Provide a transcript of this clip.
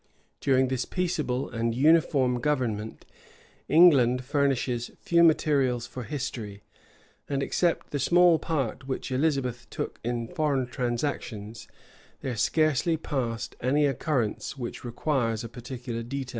[v] During this peaceable and uniform government, England furnishes few materials for history; and except the small part which Elizabeth took in foreign transactions, there scarcely passed any occurrence which requires a particular detail.